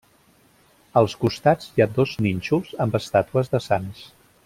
Als costats hi ha dos nínxols amb estàtues de sants.